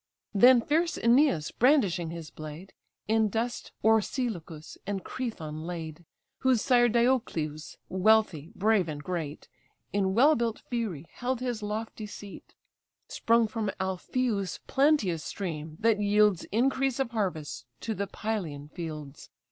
Then fierce Æneas, brandishing his blade, In dust Orsilochus and Crethon laid, Whose sire Diocleus, wealthy, brave and great, In well built Pheræ held his lofty seat: Sprung from Alpheus' plenteous stream, that yields Increase of harvests to the Pylian fields.